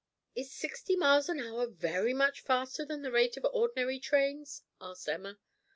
"Is sixty miles an hour very much faster than the rate of ordinary trains?" asked Emma.